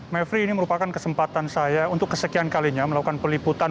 mevri ini merupakan kesempatan saya untuk kesekian kalinya melakukan peliputan